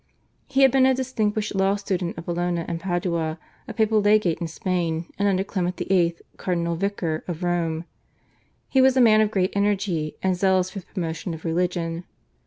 He had been a distinguished law student of Bologna and Padua, a papal legate in Spain, and under Clement VIII. cardinal vicar of Rome. He was a man of great energy and zealous for the promotion of religion.